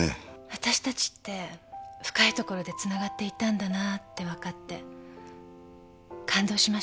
わたしたちって深い所でつながっていたんだなって分かって感動しました。